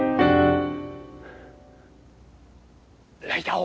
ライターを。